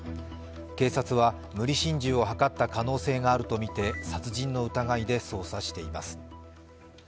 警察は無理心中を図った可能性があるとみて殺人の疑いで捜査しています。